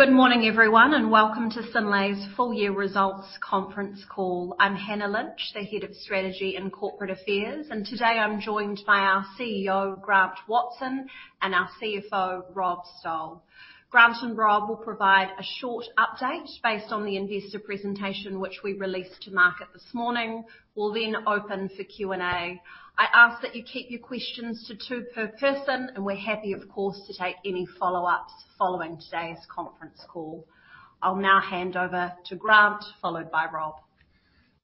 Good morning, everyone, and welcome to Synlait's full year results conference call. I'm Hannah Lynch, the head of Strategy and Corporate Affairs, and today I'm joined by our CEO, Grant Watson, and our CFO, Rob Stowell. Grant and Rob will provide a short update based on the investor presentation, which we released to market this morning. We'll then open for Q&A. I ask that you keep your questions to two per person, and we're happy, of course, to take any follow-ups following today's conference call. I'll now hand over to Grant, followed by Rob.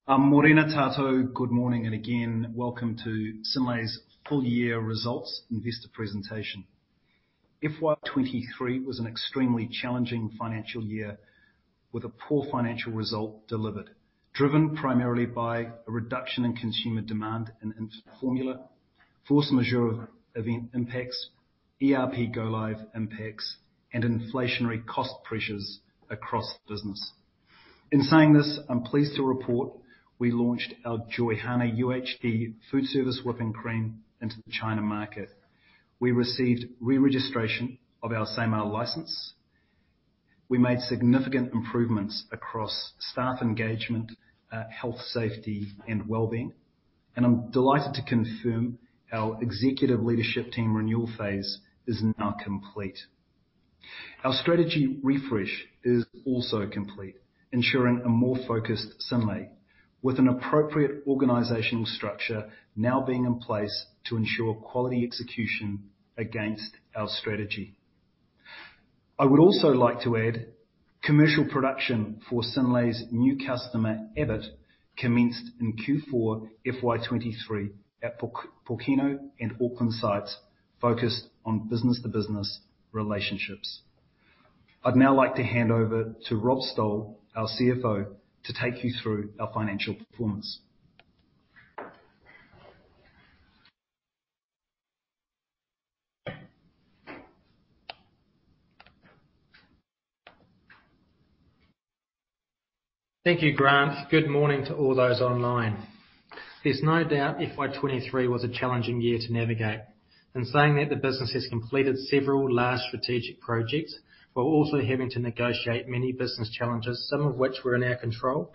Morena Tatou, good morning, and again, welcome to Synlait's full year results investor presentation. FY 2023 was an extremely challenging financial year with a poor financial result delivered, driven primarily by a reduction in consumer demand and infant formula, force majeure event impacts, ERP go-live impacts, and inflationary cost pressures across the business. In saying this, I'm pleased to report we launched our Joyhana UHT Foodservice whipping cream into the China market. We received re-registration of our SAMR license. We made significant improvements across staff engagement, health, safety, and well-being, and I'm delighted to confirm our executive leadership team renewal phase is now complete. Our strategy refresh is also complete, ensuring a more focused Synlait, with an appropriate organizational structure now being in place to ensure quality execution against our strategy. I would also like to add, commercial production for Synlait's new customer, Abbott, commenced in Q4 FY 2023 at Pokeno and Auckland sites, focused on business-to-business relationships. I'd now like to hand over to Rob Stowell, our CFO, to take you through our financial performance. Thank you, Grant. Good morning to all those online. There's no doubt FY 2023 was a challenging year to navigate. In saying that, the business has completed several large strategic projects, while also having to negotiate many business challenges, some of which were in our control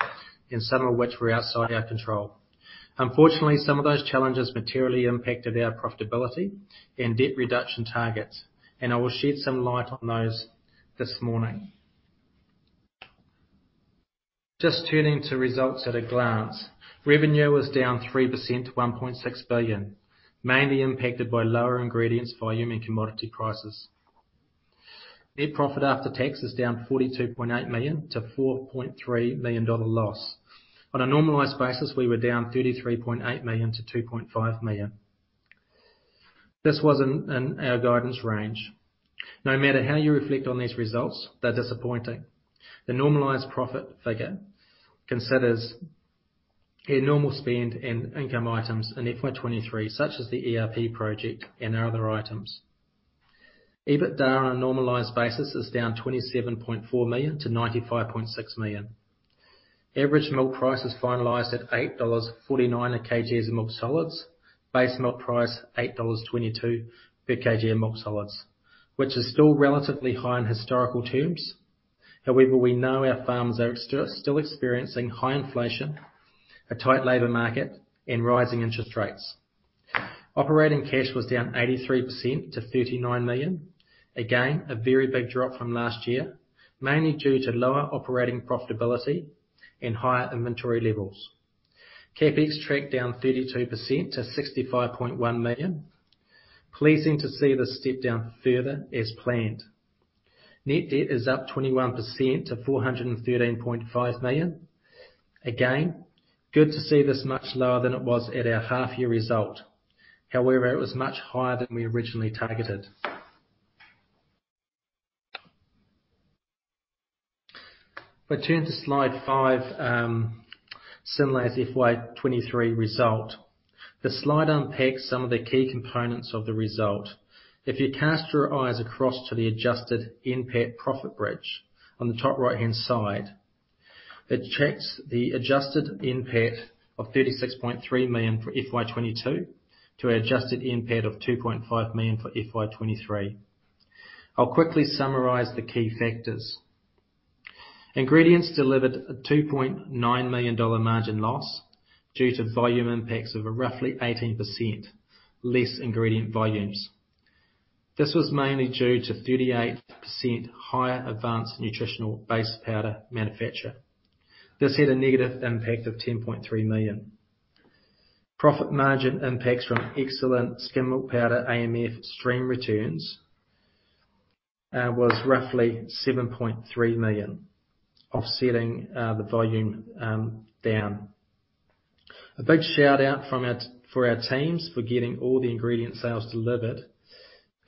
and some of which were outside our control. Unfortunately, some of those challenges materially impacted our profitability and debt reduction targets, and I will shed some light on those this morning. Just turning to results at a glance, revenue was down 3% to 1.6 billion, mainly impacted by lower ingredients, volume, and commodity prices. Net profit after tax is down 42.8 million to a 4.3 million dollar loss. On a normalized basis, we were down 33.8 million to 2.5 million. This was in our guidance range. No matter how you reflect on these results, they're disappointing. The normalized profit figure considers a normal spend and income items in FY 2023, such as the ERP project and other items. EBITDA on a normalized basis is down 27.4 million to 95.6 million. Average milk price is finalized at 8.49 dollars per kg of milk solids. Base milk price, 8.22 dollars per kg of milk solids, which is still relatively high in historical terms. However, we know our farmers are still experiencing high inflation, a tight labor market, and rising interest rates. Operating cash was down 83% to 39 million. Again, a very big drop from last year, mainly due to lower operating profitability and higher inventory levels. CapEx tracked down 32% to 65.1 million. Pleasing to see this step down further as planned. Net debt is up 21% to 413.5 million. Good to see this much lower than it was at our half-year result. However, it was much higher than we originally targeted. If I turn to slide five, Synlait's FY 2023 result. The slide unpacks some of the key components of the result. If you cast your eyes across to the adjusted NPAT profit bridge on the top right-hand side, it checks the adjusted NPAT of 36.3 million for FY 2022 to adjusted NPAT of 2.5 million for FY 2023. I'll quickly summarize the key factors. Ingredients delivered a 2.9 million dollar margin loss due to volume impacts of a roughly 18% less ingredient volumes. This was mainly due to 38% higher advanced nutritional-based powder manufacture. This had a negative impact of 10.3 million. Profit margin impacts from excellent skim milk powder, AMF stream returns, was roughly 7.3 million, offsetting the volume down. A big shout-out for our teams for getting all the ingredient sales delivered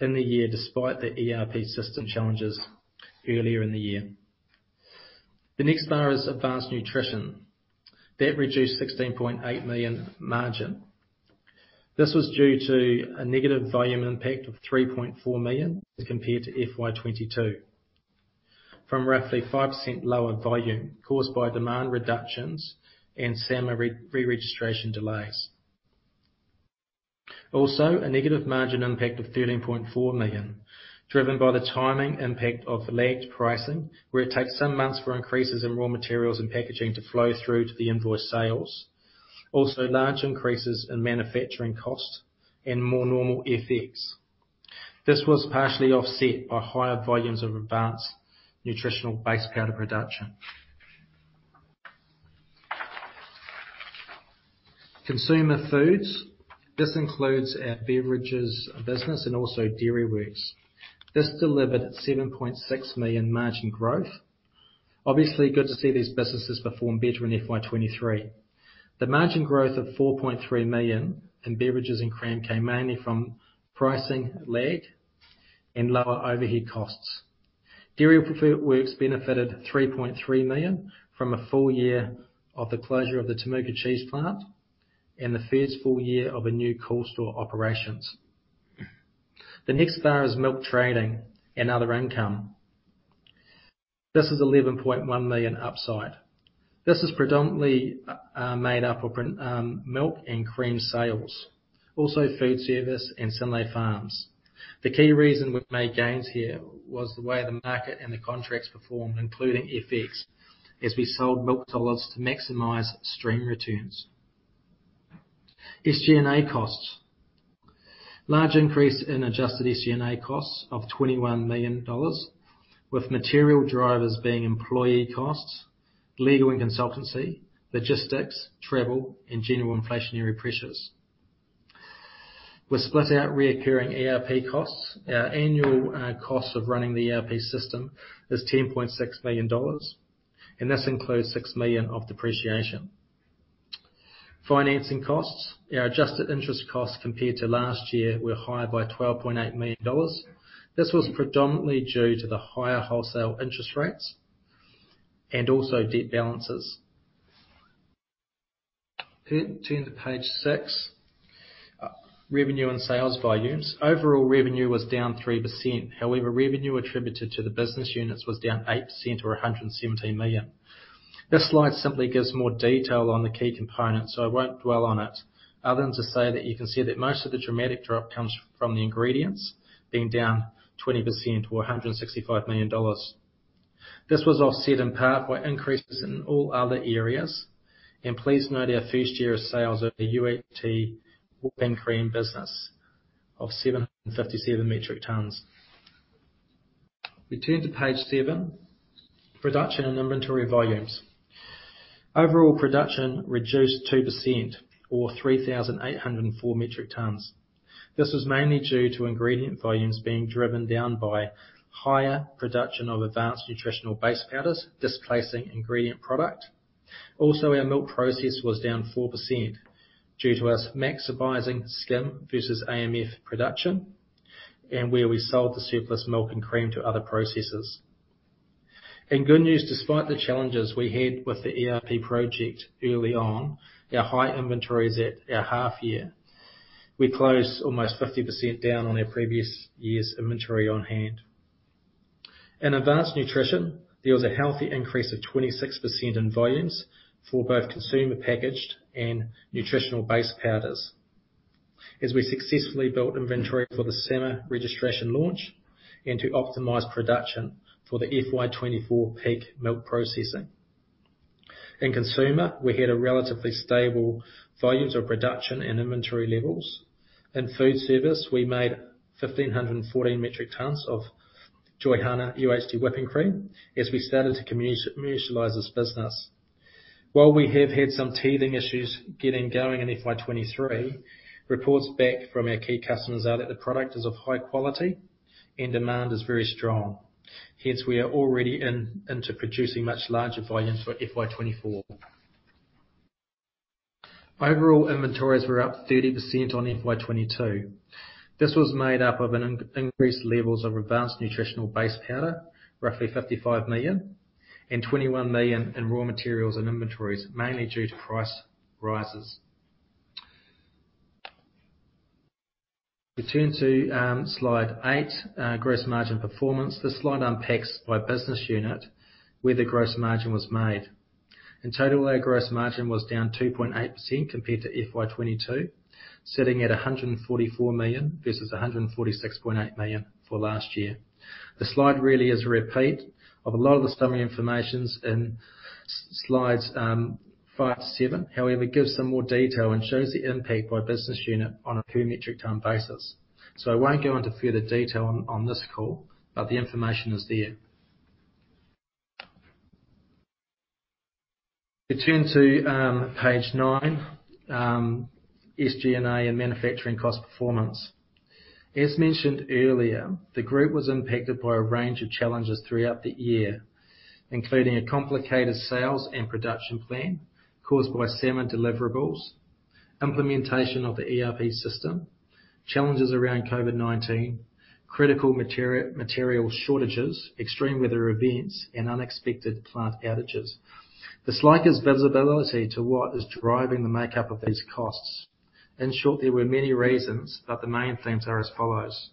in the year, despite the ERP system challenges earlier in the year. The next bar is Advanced Nutrition. That reduced 16.8 million margin. This was due to a negative volume impact of 3.4 million compared to FY 2022, from roughly 5% lower volume caused by demand reductions and SAMR re-registration delays. Also, a negative margin impact of 13.4 million, driven by the timing impact of lagged pricing, where it takes some months for increases in raw materials and packaging to flow through to the invoice sales. Also, large increases in manufacturing costs and more normal FX. This was partially offset by higher volumes of Advanced Nutrition base powder production. Consumer Foods. This includes our Beverages business and also Dairyworks. This delivered 7.6 million margin growth. Obviously, good to see these businesses perform better in FY 2023. The margin growth of 4.3 million in Beverages and cream came mainly from pricing lag and lower overhead costs. Dairyworks benefited 3.3 million from a full year of the closure of the Temuka cheese plant and the first full year of a new coal store operations. The next bar is milk trading and other income. This is 11.1 million upside. This is predominantly made up of milk and cream sales, also Foodservice and Synlait Farms. The key reason we've made gains here was the way the market and the contracts performed, including FX, as we sold milk dollars to maximize stream returns. SG&A costs. Large increase in adjusted SG&A costs of 21 million dollars, with material drivers being employee costs, legal and consultancy, logistics, travel, and general inflationary pressures. We're split out recurring ERP costs. Our annual, cost of running the ERP system is 10.6 million dollars, and this includes 6 million of depreciation. Financing costs. Our adjusted interest costs compared to last year were higher by NZD 12.8 million. This was predominantly due to the higher wholesale interest rates and also debt balances. Turn to page six. Revenue and sales volumes. Overall revenue was down 3%. However, revenue attributed to the business units was down 8% or 117 million. This slide simply gives more detail on the key components, so I won't dwell on it, other than to say that you can see that most of the dramatic drop comes from the ingredients being down 20% or 165 million dollars. This was offset in part by increases in all other areas, and please note our first year of sales of the UHT whipping cream business of 757 metric tons. We turn to page 7, production and inventory volumes. Overall production reduced 2% or 3,804 metric tons. This was mainly due to ingredient volumes being driven down by higher production of Advanced Nutrition base powders, displacing ingredient product. Also, our milk process was down 4% due to us maximizing skim versus AMF production, and where we sold the surplus milk and cream to other processors. In good news, despite the challenges we had with the ERP project early on, our high inventories at our half year, we closed almost 50% down on our previous year's inventory on hand. In Advanced Nutrition, there was a healthy increase of 26% in volumes for both consumer packaged and nutritional base powders. As we successfully built inventory for the summer registration launch and to optimize production for the FY 2024 peak milk processing. In Consumer, we had a relatively stable volumes of production and inventory levels. In food service, we made 1,514 metric tons of Joyhana UHT whipping cream, as we started to commercialize this business. While we have had some teething issues getting going in FY 2023, reports back from our key customers are that the product is of high quality and demand is very strong. Hence, we are already into producing much larger volumes for FY 2024. Overall, inventories were up 30% on FY 2022. This was made up of increased levels of advanced nutritional base powder, roughly 55 million, and 21 million in raw materials and inventories, mainly due to price rises. We turn to slide eight, gross margin performance. This slide unpacks by business unit, where the gross margin was made. In total, our gross margin was down 2.8% compared to FY 2022, sitting at 144 million versus 146.8 million for last year. The slide really is a repeat of a lot of the summary information in slides five to seven. However, it gives some more detail and shows the impact by business unit on a per metric ton basis. I won't go into further detail on this call, but the information is there. We turn to page 9, SG&A and manufacturing cost performance. As mentioned earlier, the group was impacted by a range of challenges throughout the year, including a complicated sales and production plan caused by salmon deliverables, implementation of the ERP system, challenges around COVID-19, critical material shortages, extreme weather events, and unexpected plant outages. This slide gives visibility to what is driving the makeup of these costs. In short, there were many reasons, but the main themes are as follows: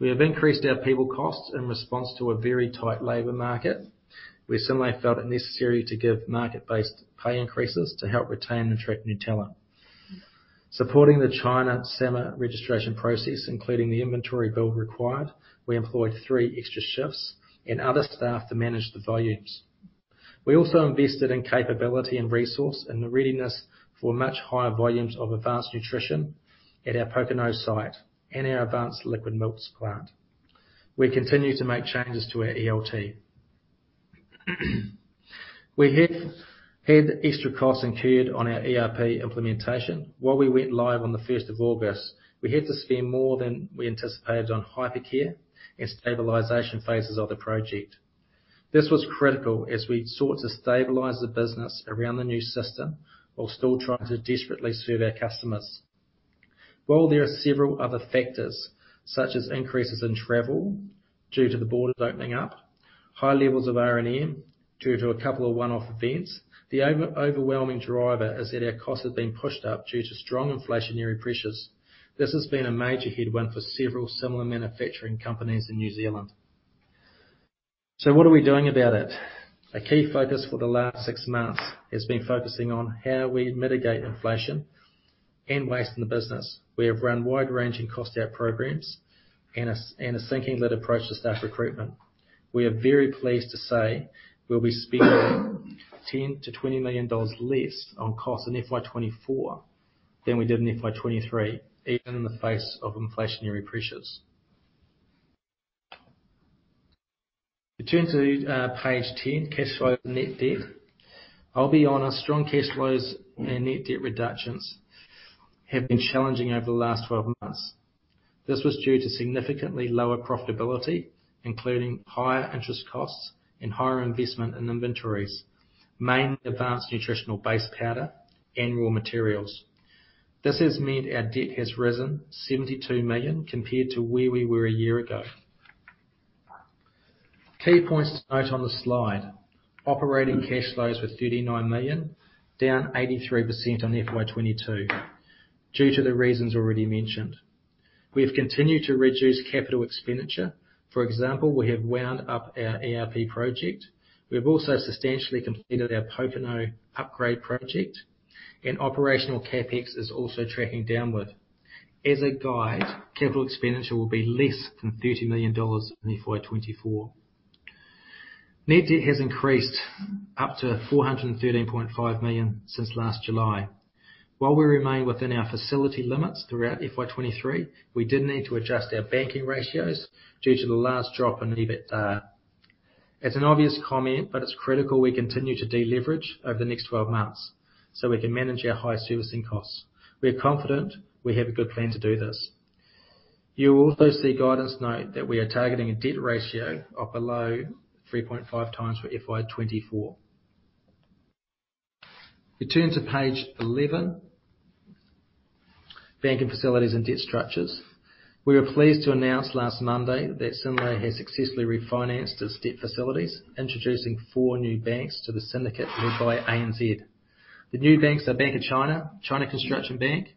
We have increased our payable costs in response to a very tight labor market. We similarly felt it necessary to give market-based pay increases to help retain and attract new talent. Supporting the China SAMR registration process, including the inventory build required, we employed three extra shifts and other staff to manage the volumes. We also invested in capability and resource, and the readiness for much higher volumes of Advanced Nutrition at our Pokeno site and our advanced liquid milks plant. We continue to make changes to our ELT. We had extra costs incurred on our ERP implementation. While we went live on the first of August, we had to spend more than we anticipated on hypercare and stabilization phases of the project. This was critical as we sought to stabilize the business around the new system, while still trying to desperately serve our customers. While there are several other factors, such as increases in travel due to the borders opening up, high levels of R&D due to a couple of one-off events, the overwhelming driver is that our costs have been pushed up due to strong inflationary pressures. This has been a major headwind for several similar manufacturing companies in New Zealand. What are we doing about it? A key focus for the last six months has been focusing on how we mitigate inflation and waste in the business. We have run wide-ranging cost out programs and a thinking-led approach to staff recruitment. We are very pleased to say we'll be spending 10 million-20 million dollars less on costs in FY 2024 than we did in FY 2023, even in the face of inflationary pressures. If you turn to page 10, Cash Flow and Net Debt. I'll be honest, strong cash flows and net debt reductions have been challenging over the last 12 months. This was due to significantly lower profitability, including higher interest costs and higher investment in inventories, mainly advanced nutritional base powder and raw materials. This has meant our debt has risen 72 million compared to where we were a year ago. Key points to note on the slide: Operating cash flows were 39 million, down 83% on FY 2022, due to the reasons already mentioned. We have continued to reduce capital expenditure. For example, we have wound up our ERP project. We have also substantially completed our Pokeno upgrade project, and operational CapEx is also tracking downward. As a guide, capital expenditure will be less than 30 million dollars in FY 2024. Net debt has increased up to 413.5 million since last July. While we remain within our facility limits throughout FY 2023, we did need to adjust our banking ratios due to the large drop in EBITDA. It's an obvious comment, but it's critical we continue to deleverage over the next 12 months, so we can manage our high servicing costs. We are confident we have a good plan to do this. You will also see guidance note that we are targeting a debt ratio of below 3.5x for FY 2024. If you turn to page 11, Banking Facilities and Debt Structures. We were pleased to announce last Monday that Synlait has successfully refinanced its debt facilities, introducing four new banks to the syndicate led by ANZ. The new banks are Bank of China, China Construction Bank,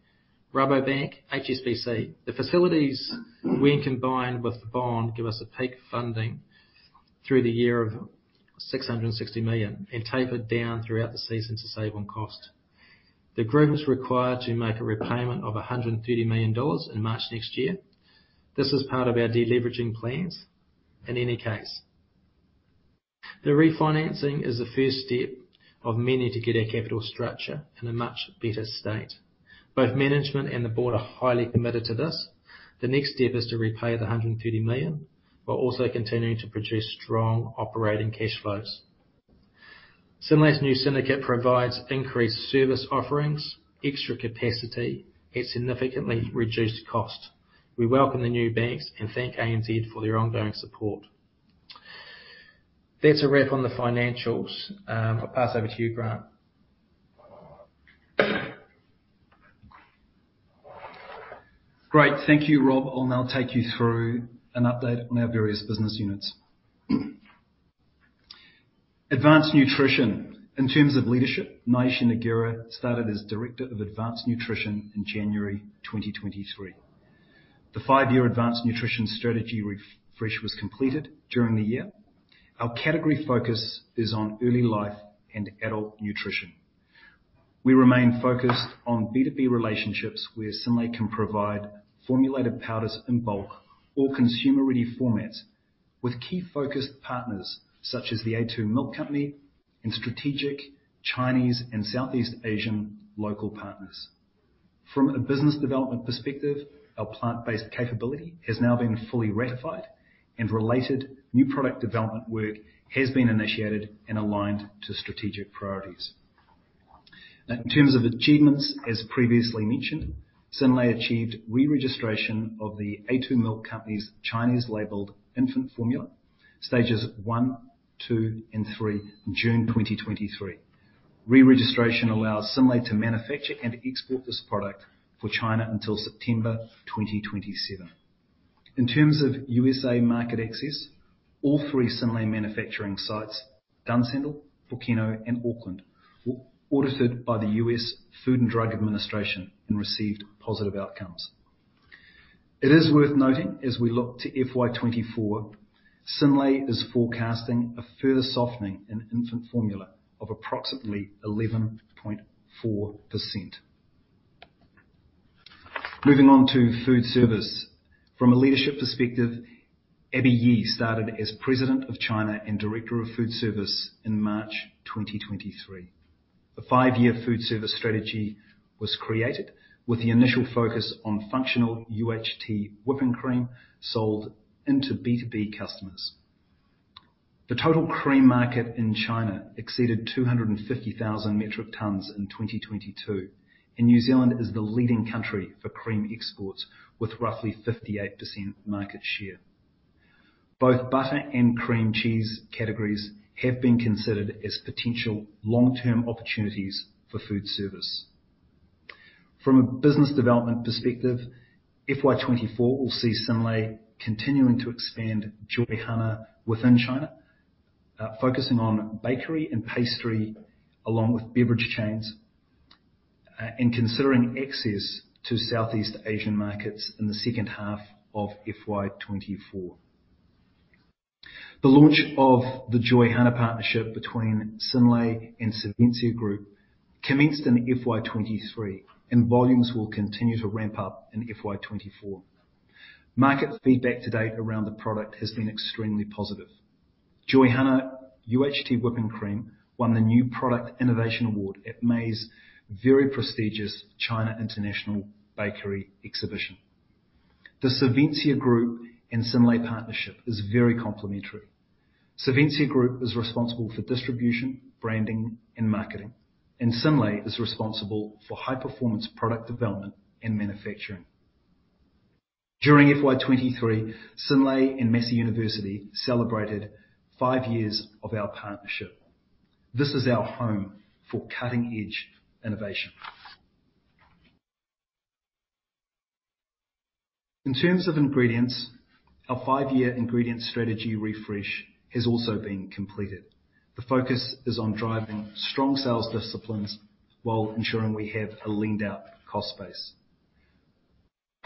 Rabobank, HSBC. The facilities, when combined with the bond, give us a peak funding through the year of 660 million, and taper down throughout the season to save on cost. The group is required to make a repayment of 130 million dollars in March next year. This is part of our deleveraging plans in any case. The refinancing is the first step of many to get our capital structure in a much better state. Both management and the board are highly committed to this. The next step is to repay the 130 million, while also continuing to produce strong operating cash flows. Synlait's new syndicate provides increased service offerings, extra capacity, at significantly reduced cost. We welcome the new banks and thank ANZ for their ongoing support. That's a wrap on the financials. I'll pass over to you, Grant. Great. Thank you, Rob. I'll now take you through an update on our various business units. Advanced Nutrition. In terms of leadership, Naheeda Agarwala started as Director of Advanced Nutrition in January 2023. The five-year advanced nutrition strategy refresh was completed during the year. Our category focus is on early life and adult nutrition. We remain focused on B2B relationships, where Synlait can provide formulated powders in bulk or consumer-ready formats, with key focused partners such as the A2 Milk Company and strategic Chinese and Southeast Asian local partners. From a business development perspective, our plant-based capability has now been fully ratified, and related new product development work has been initiated and aligned to strategic priorities. Now, in terms of achievements, as previously mentioned, Synlait achieved re-registration of the A2 Milk Company's Chinese labeled infant formula, stages 1, 2, and 3, in June 2023. Re-registration allows Synlait to manufacture and export this product for China until September 2027. In terms of U.S.A. market access, all three Synlait manufacturing sites, Dunsandel, Pokeno, and Auckland, were audited by the US Food and Drug Administration and received positive outcomes. It is worth noting, as we look to FY 2024, Synlait is forecasting a further softening in infant formula of approximately 11.4%. Moving on to food service. From a leadership perspective, Abby Ye started as President China and Director of Foodservice in March 2023. The five-year Foodservice strategy was created with the initial focus on functional UHT whipping cream sold into B2B customers. The total cream market in China exceeded 250,000 metric tons in 2022, and New Zealand is the leading country for cream exports, with roughly 58% market share. Both butter and cream cheese categories have been considered as potential long-term opportunities for food service. From a business development perspective, FY 2024 will see Synlait continuing to expand Joyhana within China, focusing on bakery and pastry, along with beverage chains, and considering access to Southeast Asian markets in the second half of FY 2024. The launch of the Joyhana partnership between Synlait and Savencia Fromage & Dairy commenced in FY 2023, and volumes will continue to ramp up in FY 2024. Market feedback to date around the product has been extremely positive. Joyhana UHT Whipping Cream won the New Product Innovation Award at May's very prestigious China International Bakery Exhibition. The Savencia Fromage & Dairy and Synlait partnership is very complementary. Savencia Fromage & Dairy is responsible for distribution, branding, and marketing, and Synlait is responsible for high-performance product development and manufacturing. During FY 2023, Synlait and Massey University celebrated five years of our partnership. This is our home for cutting-edge innovation. In terms of ingredients, our 5-year ingredient strategy refresh has also been completed. The focus is on driving strong sales disciplines while ensuring we have a leaned out cost base.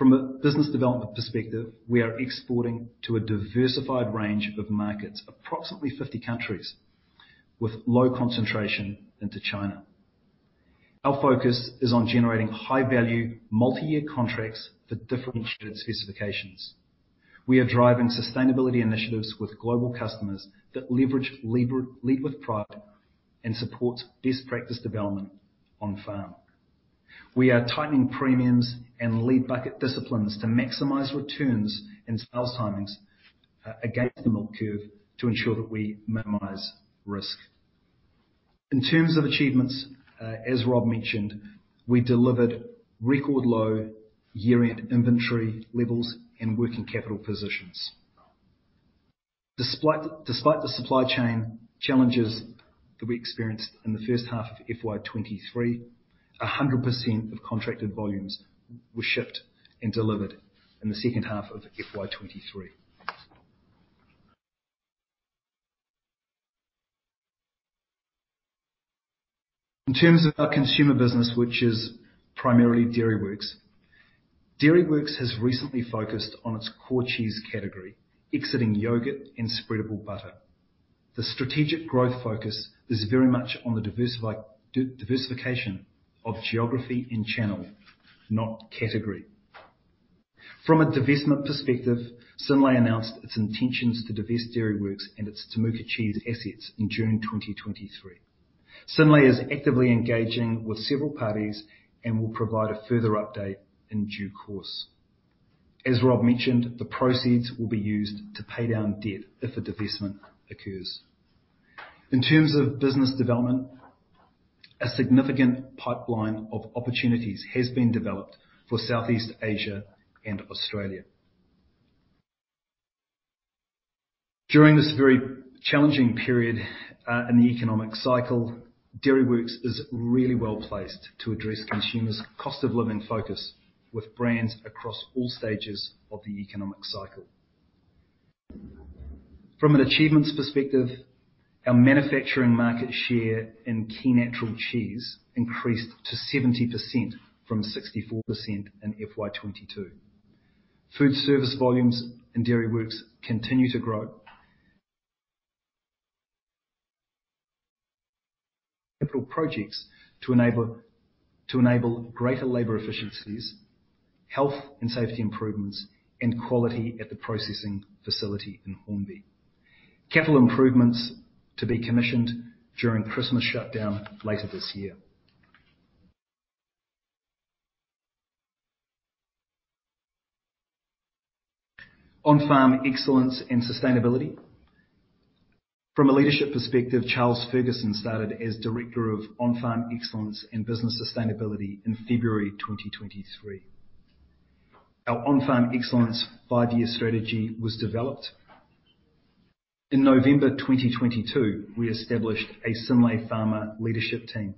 From a business development perspective, we are exporting to a diversified range of markets, approximately 50 countries, with low concentration into China. Our focus is on generating high-value, multi-year contracts for differentiated specifications. We are driving sustainability initiatives with global customers that leverage labor, Lead with Pride, and supports best practice development on-farm. We are tightening premiums and lead bucket disciplines to maximize returns and sales timings against the milk curve to ensure that we minimize risk. In terms of achievements, as Rob mentioned, we delivered record low year-end inventory levels and working capital positions. Despite the supply chain challenges that we experienced in the first half of FY 2023, 100% of contracted volumes were shipped and delivered in the second half of FY 2023. In terms of our consumer business, which is primarily Dairyworks. Dairyworks has recently focused on its core cheese category, exiting yogurt and spreadable butter. The strategic growth focus is very much on the diversification of geography and channel, not category. From a divestment perspective, Synlait announced its intentions to divest Dairyworks and its Temuka Cheese assets in June 2023. Synlait is actively engaging with several parties and will provide a further update in due course. As Rob mentioned, the proceeds will be used to pay down debt if a divestment occurs. In terms of business development, a significant pipeline of opportunities has been developed for Southeast Asia and Australia. During this very challenging period in the economic cycle, Dairyworks is really well placed to address consumers' cost of living focus with brands across all stages of the economic cycle. From an achievements perspective, our manufacturing market share in key natural cheese increased to 70% from 64% in FY 2022. Food service volumes and Dairyworks continue to grow. Capital projects to enable greater labor efficiencies, health and safety improvements, and quality at the processing facility in Hornby. Capital improvements to be commissioned during Christmas shutdown later this year. On-farm excellence and sustainability. From a leadership perspective, Charles Fergusson started as Director of On-Farm Excellence and Business Sustainability in February 2023. Our on-farm excellence five-year strategy was developed. In November 2022, we established a Synlait Farmer Leadership team....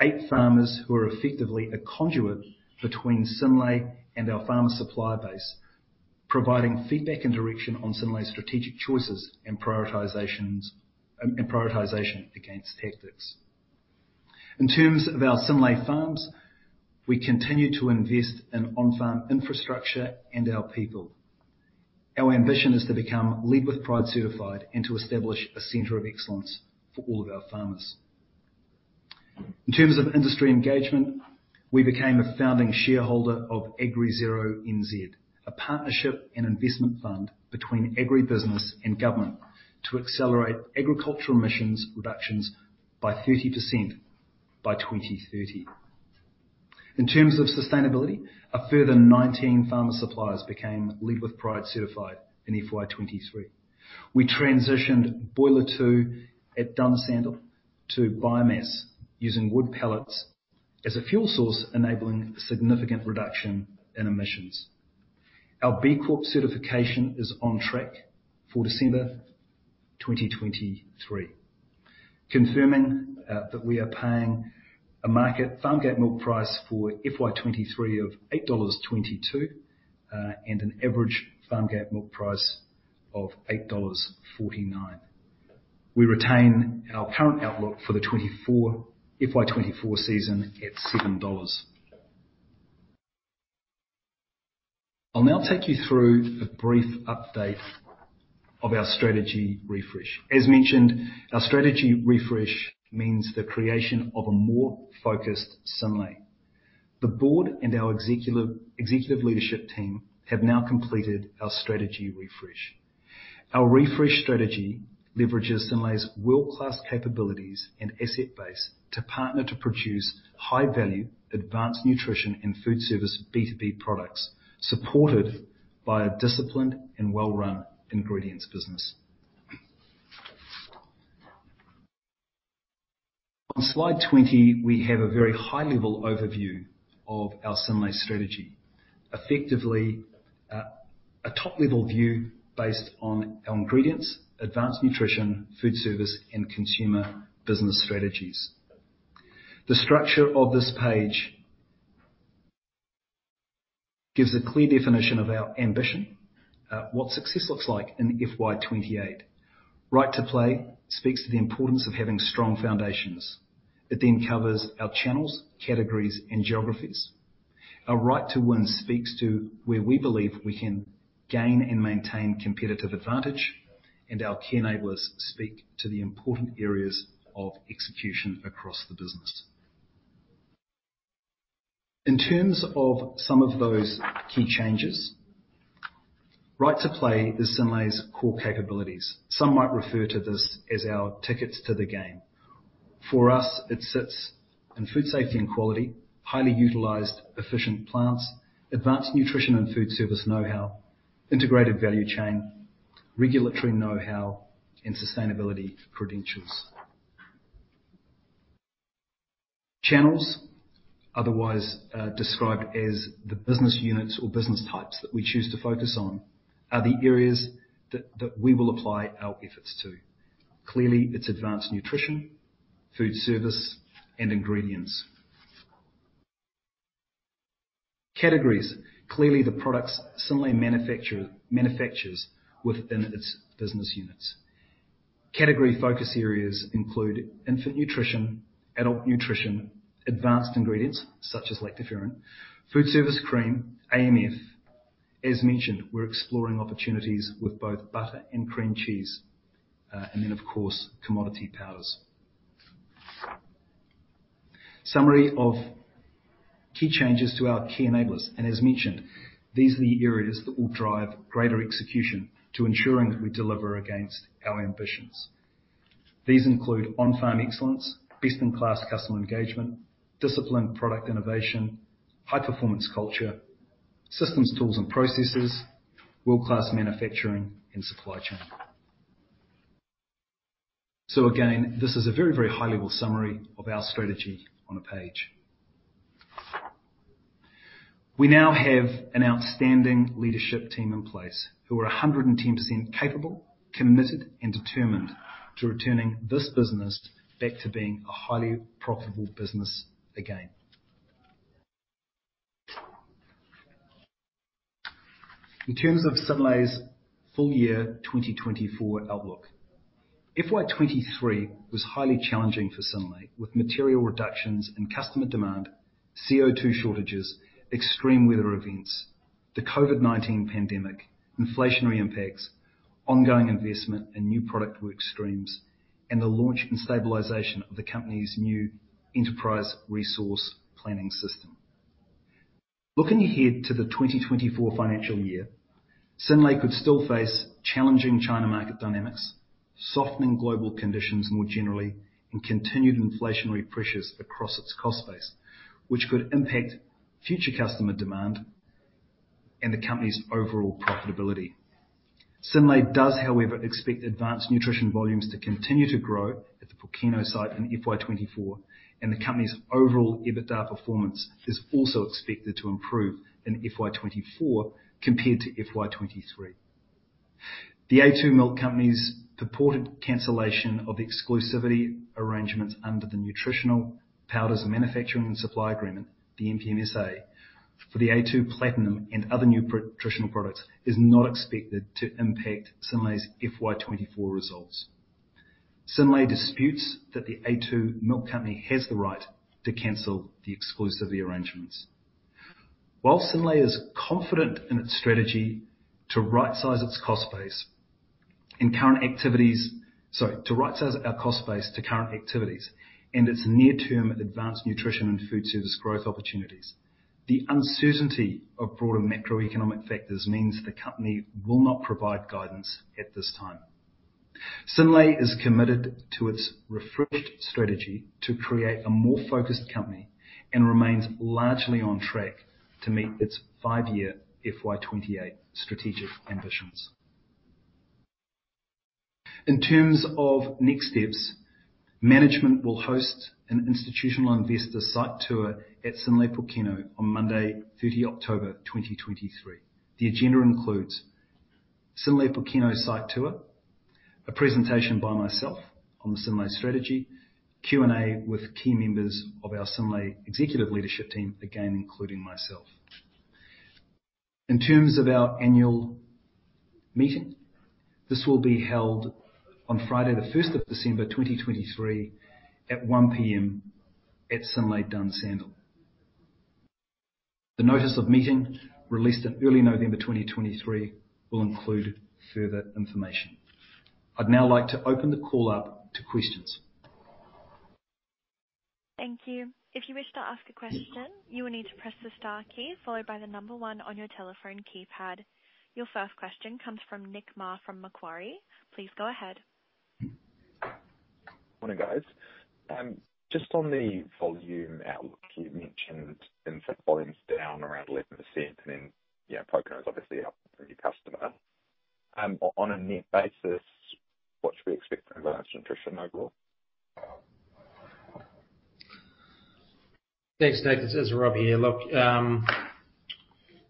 Eight farmers who are effectively a conduit between Synlait and our farmer supplier base, providing feedback and direction on Synlait's strategic choices and prioritizations, and prioritization against tactics. In terms of our Synlait Farms, we continue to invest in on-farm infrastructure and our people. Our ambition is to become Lead with Pride certified and to establish a center of excellence for all of our farmers. In terms of industry engagement, we became a founding shareholder of AgriZeroNZ, a partnership and investment fund between agribusiness and government to accelerate agricultural emissions reductions by 30% by 2030. In terms of sustainability, a further 19 farmer suppliers became Lead with Pride certified in FY 2023. We transitioned Boiler Two at Dunsandel to biomass, using wood pellets as a fuel source, enabling significant reduction in emissions. Our B Corp certification is on track for December 2023, confirming that we are paying a market farm gate milk price for FY 2023 of 8.22 dollars and an average farm gate milk price of 8.49 dollars. We retain our current outlook for the 2024, FY 2024 season at NZD 7. I'll now take you through a brief update of our strategy refresh. As mentioned, our strategy refresh means the creation of a more focused Synlait. The board and our executive leadership team have now completed our strategy refresh. Our refresh strategy leverages Synlait's world-class capabilities and asset base to partner to produce high-value, Advanced Nutrition and Foodservice B2B products, supported by a disciplined and well-run ingredients business. On Slide 20, we have a very high-level overview of our Synlait strategy. Effectively, a top-level view based on our Ingredients, Advanced Nutrition, Foodservice, and Consumer business strategies. The structure of this page gives a clear definition of our ambition, what success looks like in FY 2028. Right to Play speaks to the importance of having strong foundations. It then covers our channels, categories, and geographies. Our Right to Win speaks to where we believe we can gain and maintain competitive advantage, and our key enablers speak to the important areas of execution across the business. In terms of some of those key changes, Right to Play is Synlait's core capabilities. Some might refer to this as our tickets to the game. For us, it sits in food safety and quality, highly utilized, efficient plants, Advanced Nutrition and Foodservice know-how, integrated value chain, regulatory know-how, and sustainability credentials. Channels, otherwise described as the business units or business types that we choose to focus on, are the areas that we will apply our efforts to. Clearly, it's Advanced Nutrition, food service, and ingredients. Categories, clearly the products Synlait manufactures within its business units. Category focus areas include infant nutrition, adult nutrition, advanced ingredients such as lactoferrin, food service cream, AMF. As mentioned, we're exploring opportunities with both butter and cream cheese, and then, of course, commodity powders. Summary of key changes to our key enablers, and as mentioned, these are the areas that will drive greater execution to ensuring that we deliver against our ambitions. These include on-farm excellence, best-in-class customer engagement, disciplined product innovation, high-performance culture, systems, tools, and processes, world-class manufacturing and supply chain. So again, this is a very, very high-level summary of our strategy on a page. We now have an outstanding leadership team in place who are 110% capable, committed, and determined to returning this business back to being a highly profitable business again. In terms of Synlait's full year 2024 outlook, FY 2023 was highly challenging for Synlait, with material reductions in customer demand, CO2 shortages, extreme weather events, the COVID-19 pandemic, inflationary impacts, ongoing investment in new product workstreams, and the launch and stabilization of the company's new enterprise resource planning system. Looking ahead to the 2024 financial year, Synlait could still face challenging China market dynamics, softening global conditions more generally, and continued inflationary pressures across its cost base, which could impact future customer demand and the company's overall profitability. Synlait does, however, expect Advanced Nutrition volumes to continue to grow at the Pokeno site in FY 2024, and the company's overall EBITDA performance is also expected to improve in FY 2024 compared to FY 2023. The A2 Milk Company's purported cancellation of exclusivity arrangements under the Nutritional Powders Manufacturing and Supply Agreement, the NPMSA, for the A2 Platinum and other nutritional products, is not expected to impact Synlait's FY 2024 results. Synlait disputes that the A2 Milk Company has the right to cancel the exclusivity arrangements. While Synlait is confident in its strategy to rightsize its cost base to current activities and its near-term Advanced Nutrition and Foodservice growth opportunities, the uncertainty of broader macroeconomic factors means the company will not provide guidance at this time. Synlait is committed to its refreshed strategy to create a more focused company and remains largely on track to meet its five-year FY 2028 strategic ambitions. In terms of next steps, management will host an institutional investor site tour at Synlait Pokeno on Monday, 30 October 2023. The agenda includes Synlait Pokeno site tour, a presentation by myself on the Synlait strategy, Q&A with key members of our Synlait executive leadership team, again, including myself. In terms of our annual meeting, this will be held on Friday, the first of December 2023, at 1:00 P.M., at Synlait Dunsandel. The notice of meeting, released in early November 2023, will include further information. I'd now like to open the call up to questions. Thank you. If you wish to ask a question, you will need to press the star key followed by the number one on your telephone keypad. Your first question comes from Nick Mar, from Macquarie. Please go ahead. Morning, guys. Just on the volume outlook, you mentioned infant volumes down around 11%, and then, you know, Pokeno is obviously a new customer. On a net basis, what should we expect from Advanced Nutrition overall? Thanks, Nick. This is Rob here. Look,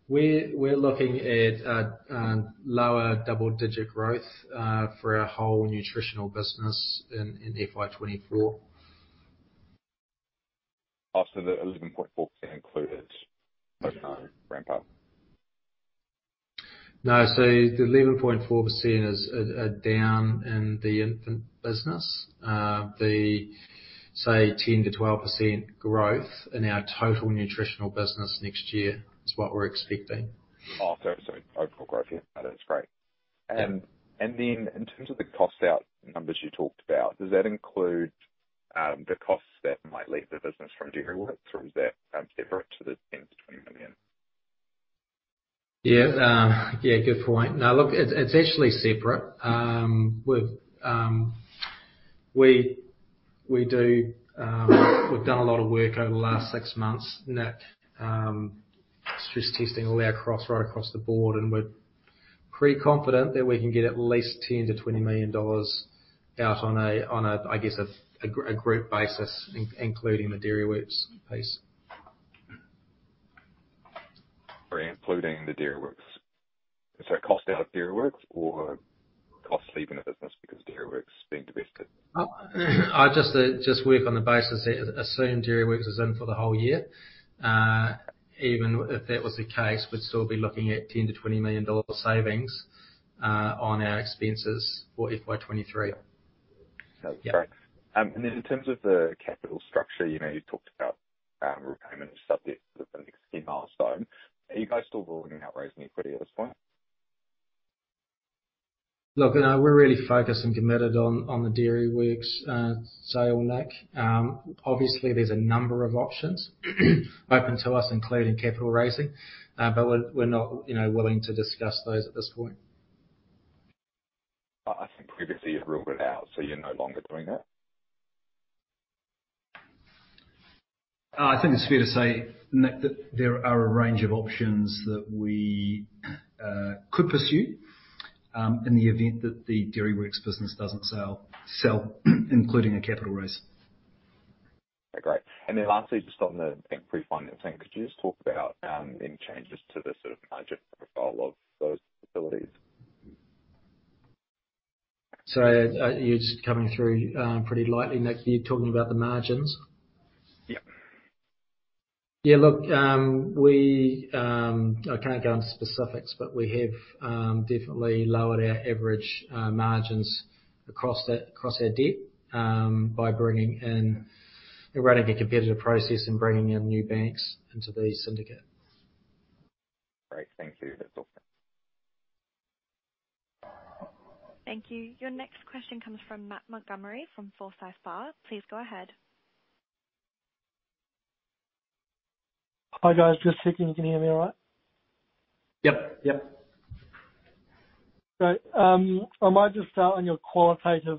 we're looking at a lower double-digit growth for our whole nutritional business in FY 2024. Oh, so the 11.4% includes Pukekohe ramp-up? No. So the 11.4% is down in the infant business. The, say, 10%-12% growth in our total nutritional business next year is what we're expecting. Oh, sorry, sorry. Overall growth. Yeah, that's great. Yeah. Then, in terms of the cost out numbers you talked about, does that include the costs that might leave the business from Dairyworks, or is that separate to the NZD 10 million-NZD 20 million? Yeah. Yeah, good point. Now, look, it's actually separate. We've done a lot of work over the last six months, Nick, stress testing all our costs right across the board, and we're pretty confident that we can get at least 10 million-20 million dollars out on a group basis, including the Dairyworks piece. Sorry, including the Dairyworks. So cost out of Dairyworks or costs leaving the business because Dairyworks is being divested? I just work on the basis that assume Dairyworks is in for the whole year. Even if that was the case, we'd still be looking at 10 million-20 million dollar savings on our expenses for FY 2023. That's great. Yeah. And then in terms of the capital structure, you know, you talked about repayment of debts with the next key milestone. Are you guys still ruling out raising equity at this point? Look, we're really focused and committed on the Dairyworks sale, Nick. Obviously, there's a number of options open to us, including capital raising. But we're not, you know, willing to discuss those at this point. I think previously you ruled it out, so you're no longer doing that? I think it's fair to say, Nick, that there are a range of options that we could pursue, in the event that the Dairyworks business doesn't sell, including a capital raise. Okay, great. And then lastly, just on the bank refinancing, could you just talk about any changes to the sort of margin profile of those facilities? Sorry, you're just coming through pretty lightly, Nick. You're talking about the margins? Yeah. Yeah, look, we... I can't go into specifics, but we have definitely lowered our average margins across our debt by bringing in and running a competitive process, and bringing in new banks into the syndicate. Great. Thank you. That's all. Thank you. Your next question comes from Matt Montgomerie, from Forsyth Barr. Please go ahead. Hi, guys. Just checking you can hear me all right? Yep, yep. Great. I might just start on your qualitative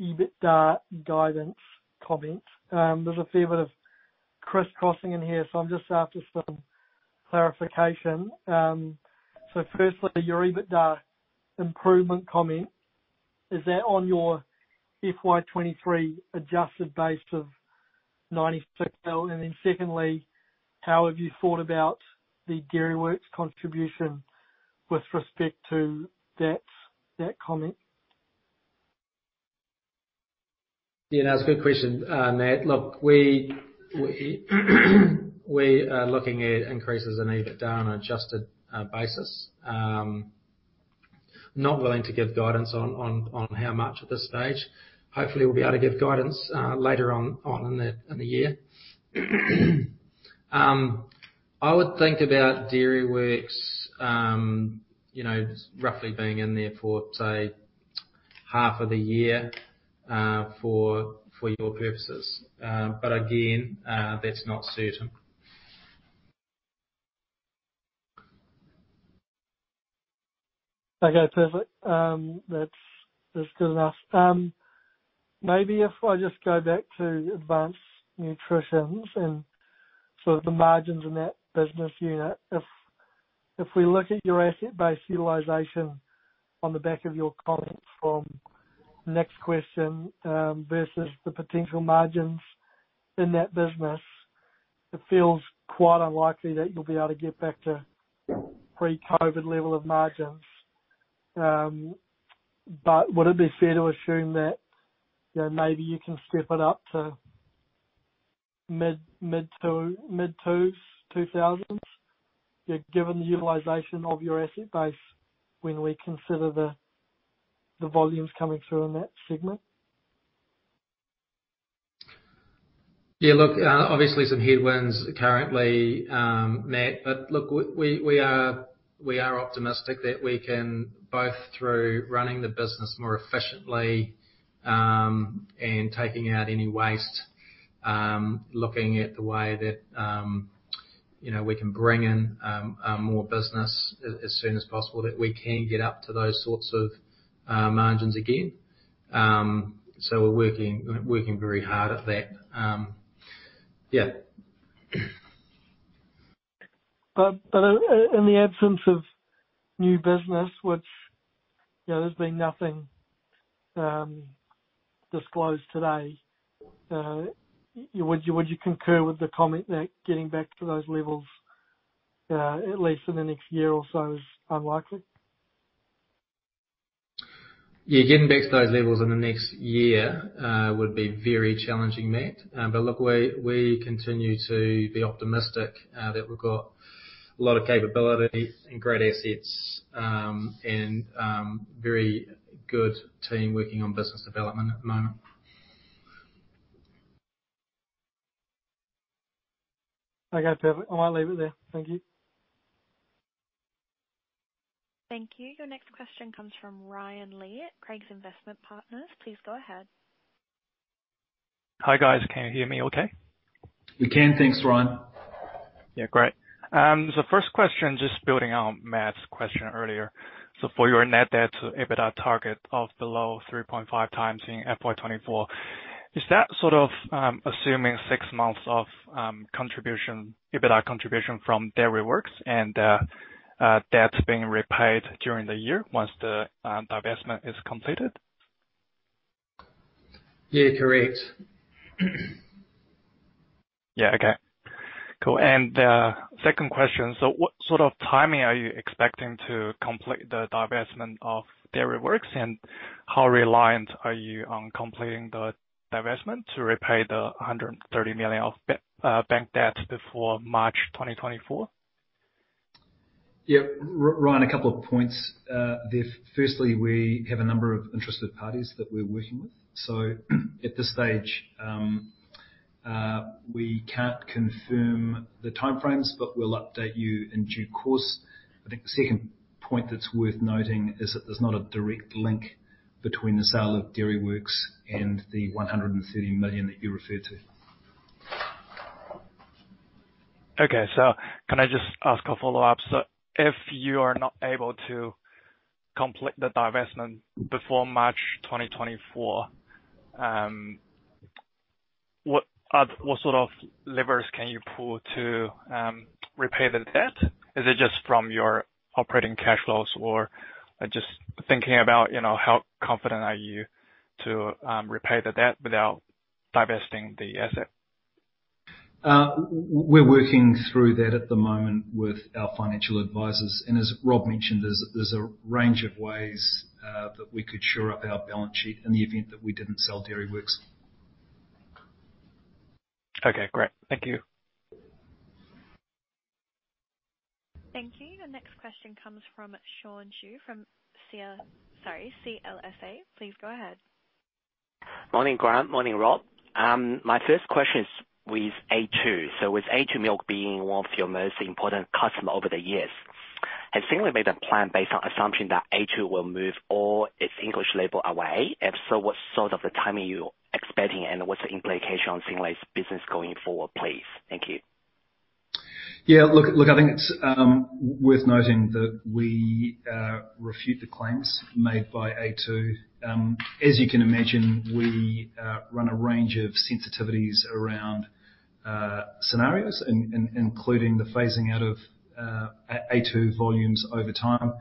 EBITDA guidance comments. There's a fair bit of crisscrossing in here, so I'm just after some clarification. So firstly, your EBITDA improvement comment, is that on your FY 2023 adjusted base of 96 million? And then secondly, how have you thought about the Dairyworks contribution with respect to that, that comment? Yeah, that's a good question, Matt. Look, we are looking at increases in EBITDA on an adjusted basis. Not willing to give guidance on how much at this stage. Hopefully, we'll be able to give guidance later on in the year. I would think about Dairyworks, you know, roughly being in there for, say, half of the year for your purposes. But again, that's not certain. Okay, perfect. That's, that's good enough. Maybe if I just go back to Advanced Nutrition and sort of the margins in that business unit. If we look at your asset base utilization on the back of your comment from next question, versus the potential margins in that business, it feels quite unlikely that you'll be able to get back to pre-COVID level of margins. Would it be fair to assume that, you know, maybe you can step it up to mid, mid 2,000s, yeah, given the utilization of your asset base when we consider the volumes coming through in that segment? Yeah, look, obviously some headwinds currently, Matt, but look, we are optimistic that we can both through running the business more efficiently, and taking out any waste, looking at the way that, you know, we can bring in more business as soon as possible, that we can get up to those sorts of margins again. So we're working very hard at that. Yeah. But in the absence of new business which, you know, there's been nothing disclosed today, would you concur with the comment that getting back to those levels, at least in the next year or so, is unlikely? Yeah, getting back to those levels in the next year would be very challenging, Matt. But look, we continue to be optimistic that we've got a lot of capability and great assets, and very good team working on business development at the moment. Okay, perfect. I might leave it there. Thank you. Thank you. Your next question comes from Ryan Li at Craigs Investment Partners. Please go ahead. Hi, guys. Can you hear me okay? We can. Thanks, Ryan. Yeah, great. So first question, just building on Matt's question earlier. So for your net debt to EBITDA target of below 3.5x in FY 2024, is that sort of assuming six months of contribution, EBITDA contribution from Dairyworks and debts being repaid during the year once the divestment is completed? Yeah, correct. Yeah. Okay, cool. And, second question: so what sort of timing are you expecting to complete the divestment of Dairyworks? And how reliant are you on completing the divestment to repay the 130 million of bank debt before March 2024? Yeah. Ryan, a couple of points there. Firstly, we have a number of interested parties that we're working with. So at this stage, we can't confirm the timeframes, but we'll update you in due course. I think the second point that's worth noting is that there's not a direct link between the sale of Dairyworks and the 130 million that you referred to. Okay. So can I just ask a follow-up? So if you are not able to complete the divestment before March 2024, what sort of levers can you pull to repay the debt? Is it just from your operating cash flows, or just thinking about, you know, how confident are you to repay the debt without divesting the asset? We're working through that at the moment with our financial advisors, and as Rob mentioned, there's a range of ways that we could shore up our balance sheet in the event that we didn't sell Dairyworks. Okay, great. Thank you. Thank you. The next question comes from Sean Xu, from CLSA. Please go ahead. Morning, Grant. Morning, Rob. My first question is with A2. So with A2 Milk being one of your most important customer over the years, has Synlait made a plan based on assumption that A2 will move all its English label away? And so what's sort of the timing you're expecting, and what's the implication on Synlait's business going forward, please? Thank you. Yeah, look, look, I think it's worth noting that we refute the claims made by A2. As you can imagine, we run a range of sensitivities around scenarios, including the phasing out of A2 volumes over time.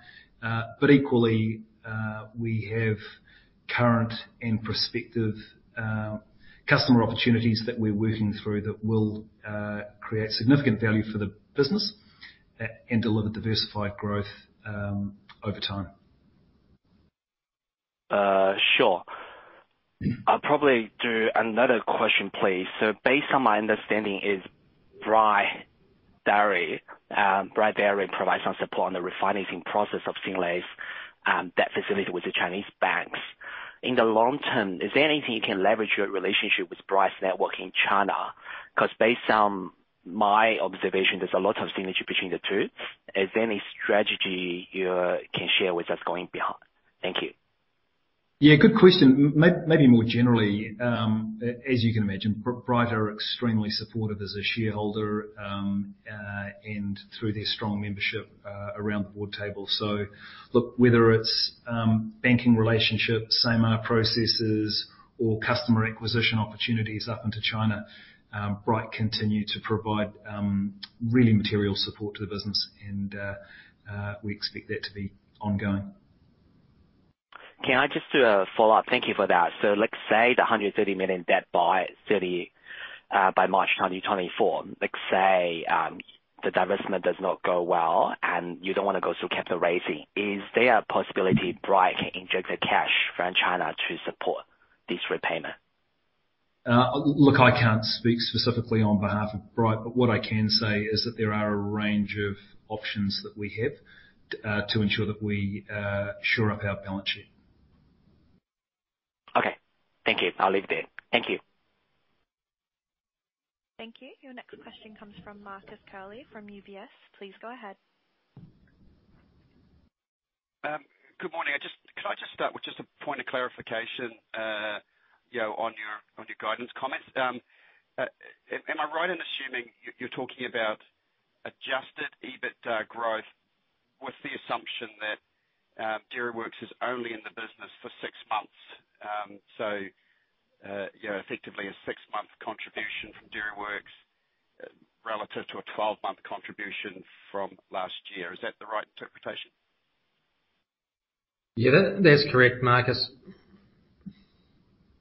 But equally, we have current and prospective customer opportunities that we're working through that will create significant value for the business and deliver diversified growth over time. Sure. I'll probably do another question, please. So based on my understanding, is Bright Dairy, Bright Dairy provides some support on the refinancing process of Synlait's, debt facility with the Chinese banks. In the long term, is there anything you can leverage your relationship with Bright's network in China? Because based on my observation, there's a lot of synergy between the two. Is there any strategy you can share with us going beyond? Thank you. Yeah, good question. Maybe more generally, as you can imagine, Bright are extremely supportive as a shareholder, and through their strong membership around the board table. So look, whether it's banking relationships, same processes or customer acquisition opportunities up into China, Bright continue to provide really material support to the business, and we expect that to be ongoing. Can I just do a follow-up? Thank you for that. So let's say the 130 million debt by 30, by March 2024, let's say, the divestment does not go well, and you don't want to go through capital raising. Is there a possibility Bright can inject the cash from China to support this repayment? Look, I can't speak specifically on behalf of Bright, but what I can say is that there are a range of options that we have to ensure that we shore up our balance sheet. Okay. Thank you. I'll leave it there. Thank you. Thank you. Your next question comes from Marcus Curley, from UBS. Please go ahead. Good morning. Can I just start with just a point of clarification, you know, on your, on your guidance comments? Am I right in assuming you're talking about adjusted EBIT growth with the assumption that Dairyworks is only in the business for six months? So, you know, effectively a 6-month contribution from Dairyworks relative to a 12-month contribution from last year. Is that the right interpretation? Yeah, that, that's correct, Marcus.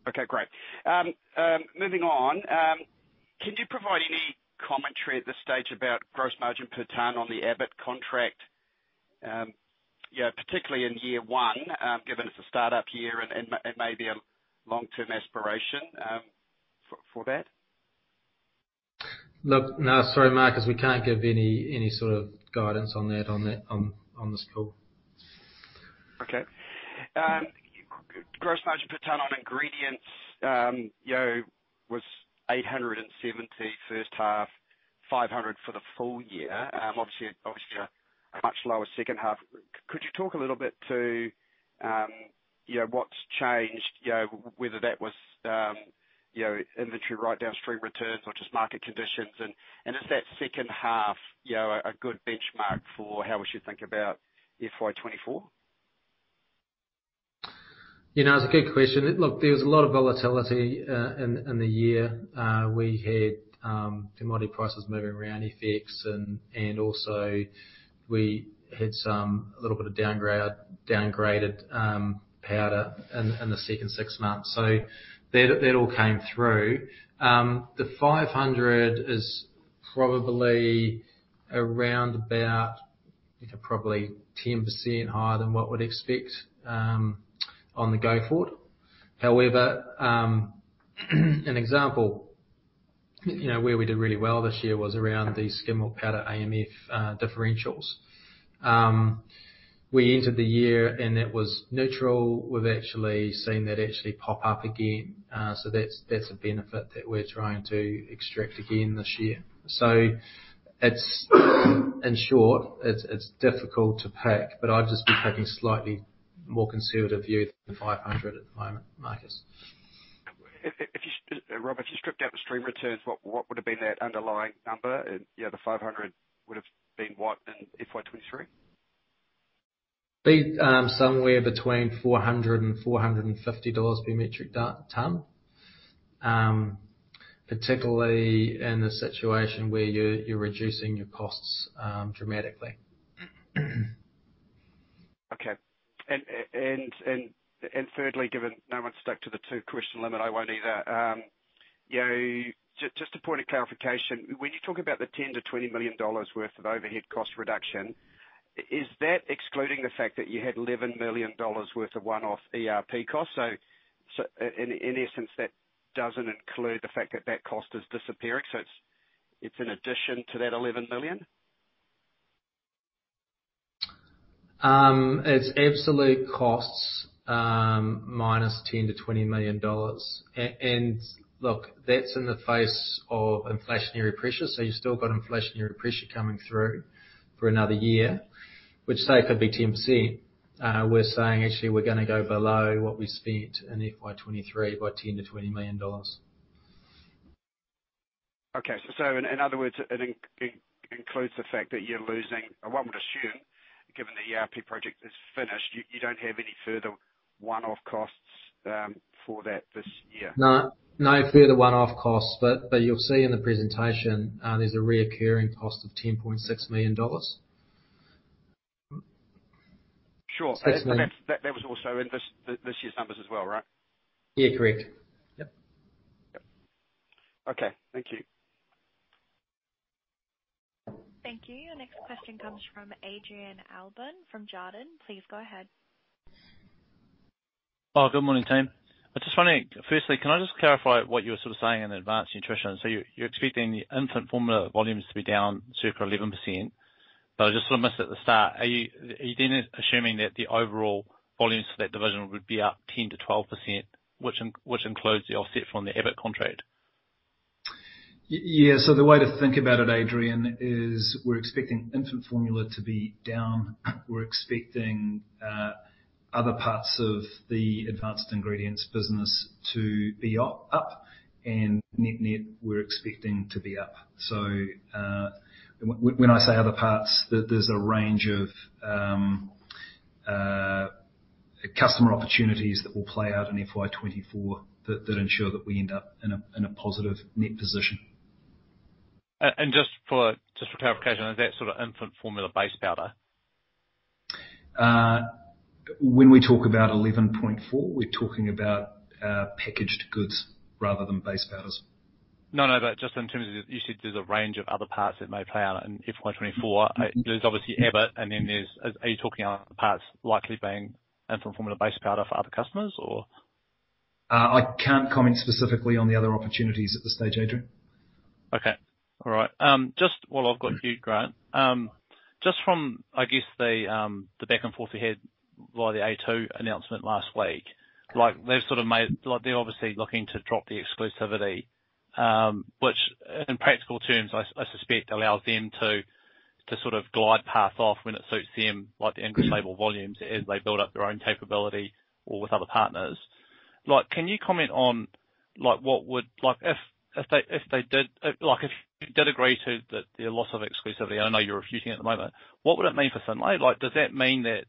Okay, great. Moving on, can you provide any commentary at this stage about gross margin per ton on the Abbott contract? You know, particularly in year one, given it's a start-up year and maybe a long-term aspiration, for that? Look, no, sorry, Marcus, we can't give any sort of guidance on that on this call. Okay. Gross margin per ton on ingredients, you know, was 870 first half, 500 for the full year. Obviously, a much lower second half. Could you talk a little bit to, you know, what's changed? You know, whether that was, you know, inventory write-downs, stream returns, or just market conditions. Is that second half, you know, a good benchmark for how we should think about FY 2024? You know, it's a good question. Look, there was a lot of volatility in the year. We had commodity prices moving around, FX, and also we had some a little bit of downgraded powder in the second six months. So that all came through. The 500 is probably around about, you know, probably 10% higher than what we'd expect on the go forward. However, an example, you know, where we did really well this year was around the skim milk powder AMF differentials. We entered the year, and it was neutral. We've actually seen that actually pop up again. So that's a benefit that we're trying to extract again this year. So, in short, it's difficult to pick, but I'd just be taking a slightly more conservative view than 500 at the moment, Marcus. Robert, if you stripped out the stream returns, what would have been that underlying number? And, yeah, the 500 would have been what in FY 2023? Somewhere between $400 and $450 per metric ton. Particularly in a situation where you're reducing your costs dramatically. Okay. And thirdly, given no one's stuck to the two-question limit, I won't either. You know, just a point of clarification, when you talk about the 10 million-20 million dollars worth of overhead cost reduction, is that excluding the fact that you had 11 million dollars worth of one-off ERP costs? So in essence, that doesn't include the fact that that cost is disappearing, so it's an addition to that 11 million? It's absolute costs, minus 10 million-20 million dollars. Look, that's in the face of inflationary pressure, so you've still got inflationary pressure coming through for another year, which, say, could be 10%. We're saying actually, we're gonna go below what we spent in FY 2023 by 10 million-20 million dollars. Okay. So in other words, it includes the fact that you're losing, or one would assume-... Given the ERP project is finished, you don't have any further one-off costs for that this year? No, no further one-off costs, but, but you'll see in the presentation, there's a recurring cost of 10.6 million dollars. Sure. That's- But that was also in this year's numbers as well, right? Yeah, correct. Yep. Yep. Okay, thank you. Thank you. Your next question comes from Adrian Allbon from Jarden. Please go ahead. Oh, good morning, team. I just want to firstly, can I just clarify what you were sort of saying in Advanced Nutrition? You, you're expecting the infant formula volumes to be down circa 11%, but I just sort of missed at the start. Are you, are you then assuming that the overall volumes for that division would be up 10%-12%, which includes the offset from the Abbott contract? Yeah, so the way to think about it, Adrian, is we're expecting infant formula to be down. We're expecting other parts of the advanced ingredients business to be up, up, and net-net, we're expecting to be up. So, when I say other parts, there's a range of customer opportunities that will play out in FY 2024 that ensure that we end up in a positive net position. Just for clarification, is that sort of infant formula base powder? When we talk about 11.4, we're talking about packaged goods rather than base powders. No, no, but just in terms of, you said there's a range of other parts that may play out in FY24. There's obviously Abbott, and then there's... Are you talking about other parts likely being infant formula base powder for other customers, or? I can't comment specifically on the other opportunities at this stage, Adrian. Okay. All right, just while I've got you, Grant, just from, I guess the, the back and forth we had via the A2 announcement last week, like, they've sort of made—like, they're obviously looking to drop the exclusivity, which in practical terms, I, I suspect allows them to, to sort of glide path off when it suits them, like the end label volumes, as they build up their own capability or with other partners. Like, can you comment on, like, what would... Like, if, if they, if they did, like, if you did agree to the, the loss of exclusivity, I know you're refuting at the moment, what would it mean for Synlait? Like, does that mean that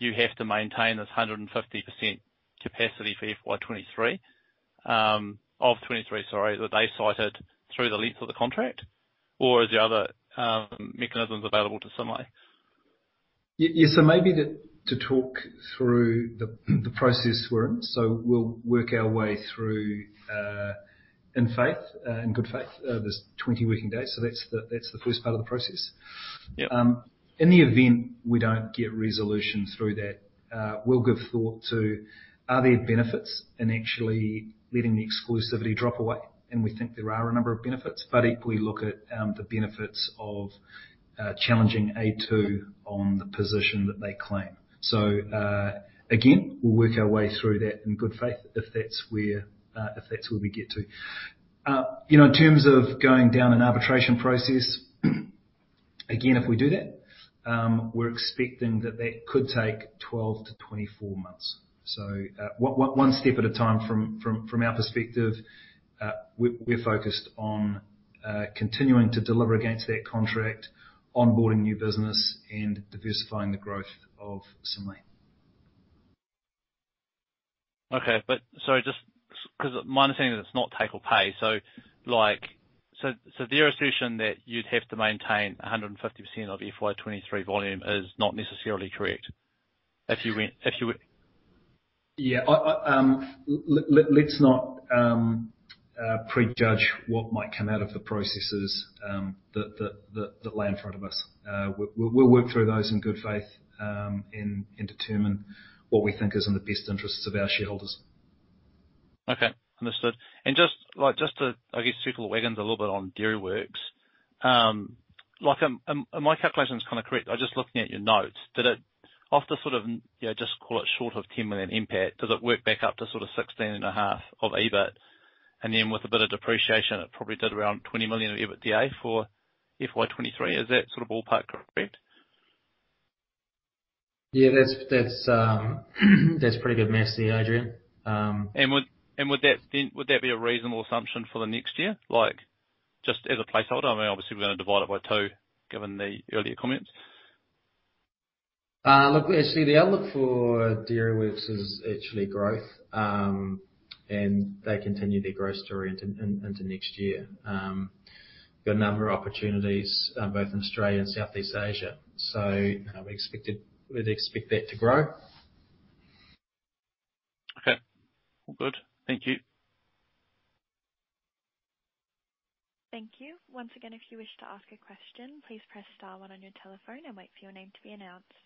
you have to maintain this 150% capacity for FY 2023, of 2023, sorry, that they cited through the length of the contract, or are there other mechanisms available to Synlait? Yes, so maybe to talk through the process we're in. So we'll work our way through in good faith. There's 20 working days, so that's the first part of the process. Yep. In the event we don't get resolution through that, we'll give thought to: are there benefits in actually letting the exclusivity drop away? And we think there are a number of benefits, but equally look at the benefits of challenging A2 on the position that they claim. So, again, we'll work our way through that in good faith, if that's where we get to. You know, in terms of going down an arbitration process, again, if we do that, we're expecting that that could take 12-24 months. So, one step at a time from our perspective. We're focused on continuing to deliver against that contract, onboarding new business, and diversifying the growth of Synlait. Okay. But sorry, because my understanding is it's not take or pay, so like... So, so the assertion that you'd have to maintain 150% of FY 2023 volume is not necessarily correct, if you went, if you went- Yeah. Let's not prejudge what might come out of the processes that lie in front of us. We'll work through those in good faith, and determine what we think is in the best interests of our shareholders. Okay, understood. Just to, I guess, circle the wagons a little bit on Dairyworks. Like, are my calculations kind of correct? I was just looking at your notes. Did it, after sort of, you know, just call it short of 10 million impact, does it work back up to sort of 16.5 million of EBIT? And then with a bit of depreciation, it probably did around 20 million of EBITDA for FY 2023. Is that sort of ballpark correct? Yeah, that's, that's, that's a pretty good math there, Adrian- Would that then be a reasonable assumption for the next year? Like, just as a placeholder, I mean, obviously we're going to divide it by two, given the earlier comments. Look, actually, the outlook for Dairyworks is actually growth. They continue their growth story into next year. We've got a number of opportunities, both in Australia and Southeast Asia, so we'd expect that to grow. Okay. All good. Thank you. Thank you. Once again, if you wish to ask a question, please press star one on your telephone and wait for your name to be announced.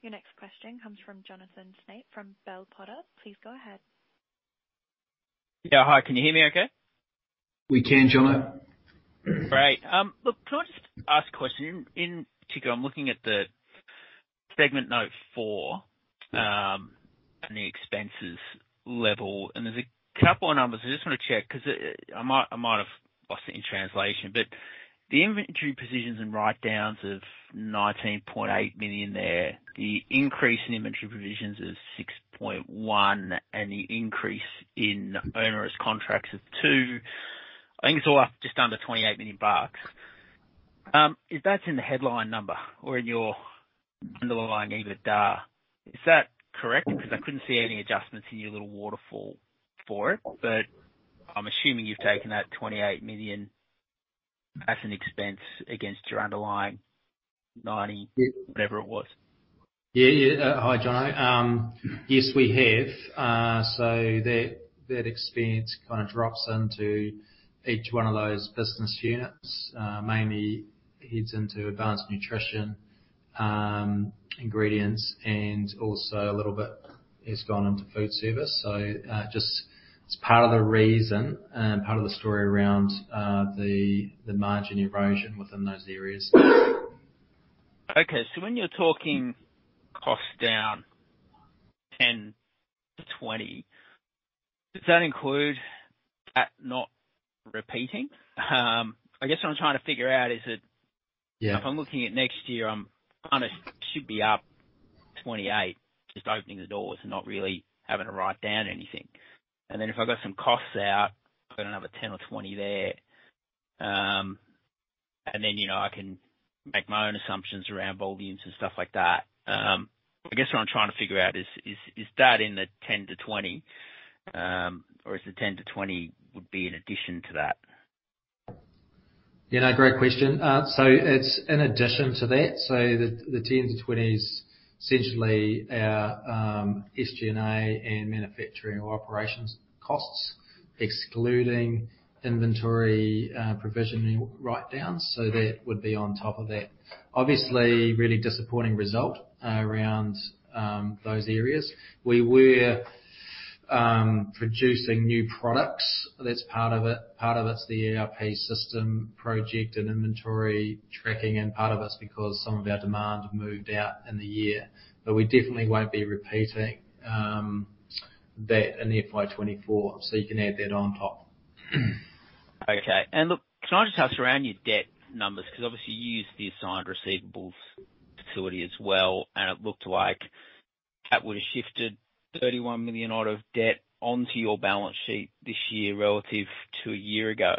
Your next question comes from Jonathan Snape from Bell Potter. Please go ahead. Yeah, hi, can you hear me okay? We can, Jonathan. Great. Look, can I just ask a question? In particular, I'm looking at the segment note 4, and the expenses level, and there's a couple of numbers I just want to check, because I might have lost it in translation. But the inventory positions and write-downs of 19.8 million there, the increase in inventory provisions is 6.1 million, and the increase in onerous contracts is 2 million. I think it's all up just under 28 million bucks. Is that in the headline number or in your underlying EBITDA? Is that correct? Because I couldn't see any adjustments in your little waterfall for it, but I'm assuming you've taken that 28 million as an expense against your underlying 90, whatever it was. Yeah, yeah. Hi, Jono. Yes, we have. So that, that experience kind of drops into each one of those business units, mainly heads into Advanced Nutrition, ingredients, and also a little bit has gone into Foodservice. So, just it's part of the reason and part of the story around, the, the margin erosion within those areas. Okay. So when you're talking costs down 10-20, does that include that not repeating? I guess what I'm trying to figure out is that- Yeah. If I'm looking at next year, I kind of should be up 28, just opening the doors and not really having to write down anything. If I've got some costs out, I've got another 10 or 20 there. You know, I can make my own assumptions around volumes and stuff like that. I guess what I'm trying to figure out is, is that in the 10-20, or is the 10-20 in addition to that? Yeah, no, great question. So it's in addition to that, so the ten to twenty is essentially our SG&A and manufacturing or operations costs, excluding inventory provisioning write-downs. So that would be on top of that. Obviously, really disappointing result around those areas. We were producing new products. That's part of it. Part of it's the ERP system project and inventory tracking, and part of it's because some of our demand moved out in the year. But we definitely won't be repeating that in FY 2024, so you can add that on top. Okay. Can I just ask around your debt numbers? Because obviously you used the assigned receivables facility as well, and it looked like that would have shifted 31 million odd of debt onto your balance sheet this year relative to a year ago.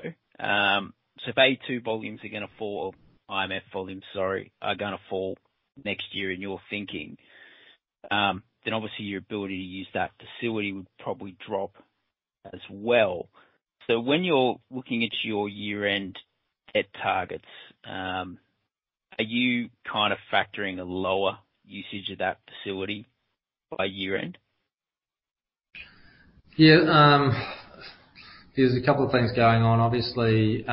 If A2 volumes are gonna fall, IMF volumes, sorry, are gonna fall next year in your thinking, then obviously your ability to use that facility would probably drop as well. When you're looking at your year-end debt targets, are you kind of factoring a lower usage of that facility by year-end? Yeah. There's a couple of things going on. Obviously,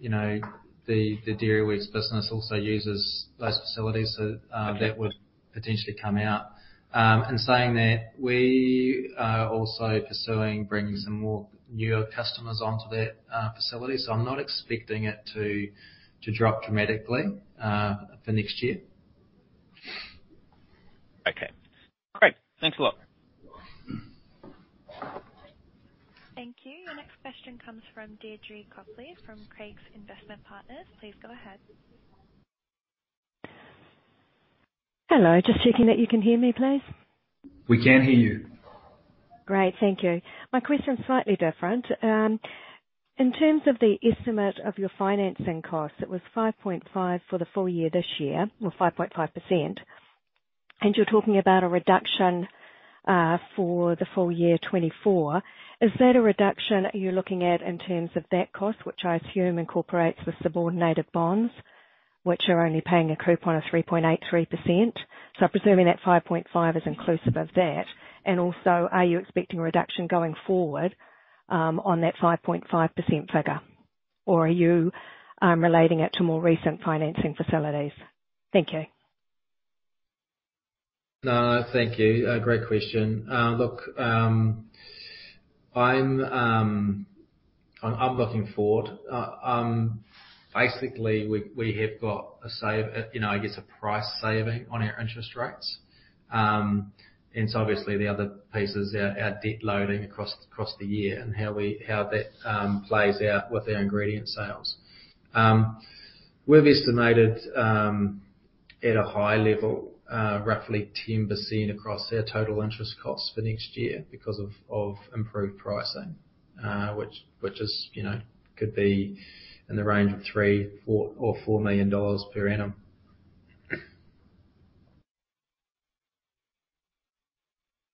you know, the Dairyworks business also uses those facilities, so that would potentially come out. And saying that we are also pursuing bringing some more newer customers onto that facility, so I'm not expecting it to drop dramatically for next year. Okay. Great. Thanks a lot. Thank you. Your next question comes from Deidre Copley, from Craigs Investment Partners. Please go ahead. Hello. Just checking that you can hear me, please? We can hear you. Great, thank you. My question's slightly different. In terms of the estimate of your financing costs, it was 5.5 for the full year this year, or 5.5%, and you're talking about a reduction for the full year 2024. Is that a reduction you're looking at in terms of debt cost, which I assume incorporates the subordinated bonds, which are only paying a coupon of 3.83%? So presuming that 5.5 is inclusive of that, and also, are you expecting a reduction going forward on that 5.5% figure, or are you relating it to more recent financing facilities? Thank you. No, thank you. Great question. Look, I'm looking forward. Basically, we have got a save, you know, I guess a price saving on our interest rates. Obviously the other piece is our debt loading across the year and how that plays out with our ingredient sales. We've estimated, at a high level, roughly 10% across our total interest costs for next year because of improved pricing, which is, you know, could be in the range of 3 million-4 million dollars per annum.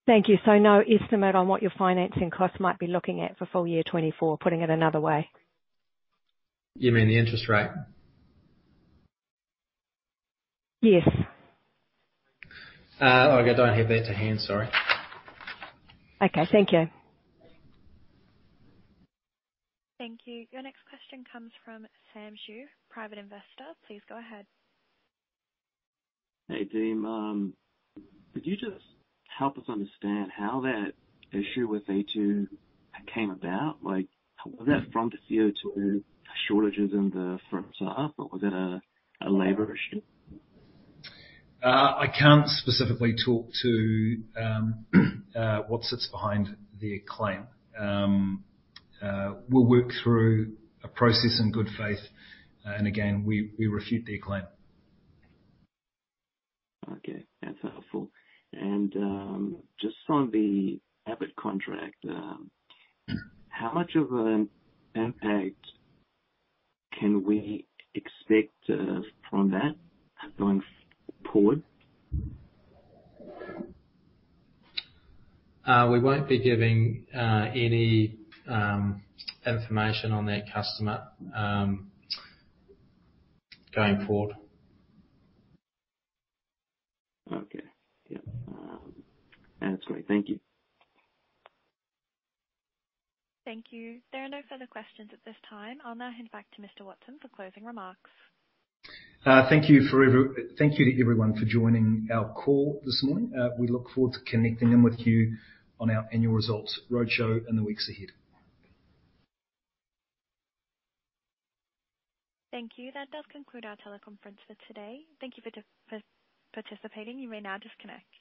Thank you. So no estimate on what your financing costs might be looking at for full year 2024, putting it another way? You mean the interest rate? Yes. Look, I don't have that to hand. Sorry. Okay. Thank you. Thank you. Your next question comes from Sam Xu, private investor. Please go ahead. Hey, Dean. Could you just help us understand how that issue with A2 came about? Like, was that from the CO2 shortages in the first half, or was it a labor issue? I can't specifically talk to what sits behind their claim. We'll work through a process in good faith, and again, we refute their claim. Okay, that's helpful. And, just on the Abbott contract, how much of an impact can we expect from that going forward? We won't be giving any information on that customer going forward. Okay. Yeah. That's great. Thank you. Thank you. There are no further questions at this time. I'll now hand back to Mr. Watson for closing remarks. Thank you to everyone for joining our call this morning. We look forward to connecting in with you on our annual results roadshow in the weeks ahead. Thank you. That does conclude our teleconference for today. Thank you for participating. You may now disconnect.